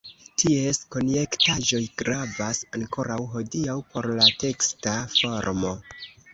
Ties konjektaĵoj gravas ankoraŭ hodiaŭ por la teksta formo.